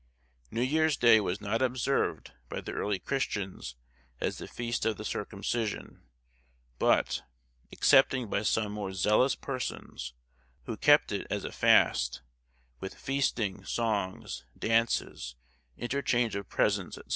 New Year's Day was not observed by the early Christians as the Feast of the Circumcision, but (excepting by some more zealous persons, who kept it as a fast) with feasting, songs, dances, interchange of presents, &c.